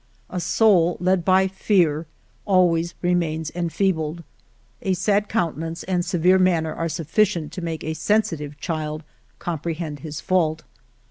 A soul led by fear always remains en feebled. A sad countenance and severe manner are sufficient to make a sensitive child compre hend his fault.